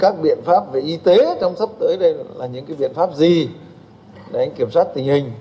các biện pháp về y tế trong sắp tới đây là những biện pháp gì để kiểm soát tình hình